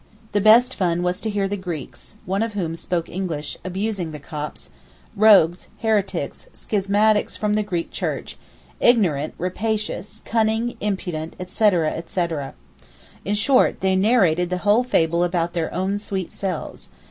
The best fun was to hear the Greeks (one of whom spoke English) abusing the Copts—rogues, heretics, schismatics from the Greek Church, ignorant, rapacious, cunning, impudent, etc., etc. In short, they narrated the whole fable about their own sweet selves.